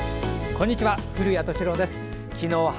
こんにちは。